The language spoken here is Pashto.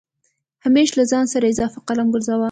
همېش له ځان سره اضافه قلم ګرځوه